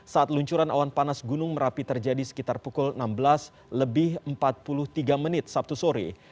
saat luncuran awan panas gunung merapi terjadi sekitar pukul enam belas lebih empat puluh tiga menit sabtu sore